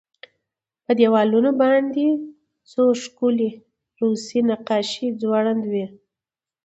په دېوالونو باندې څو ښکلې روسي نقاشۍ ځوړندې وې